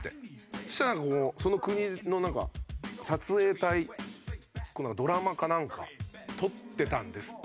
そしたらなんかその国の撮影隊ドラマかなんか撮ってたんですって